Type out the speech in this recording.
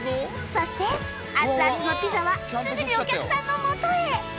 そして熱々のピザはすぐにお客さんのもとへ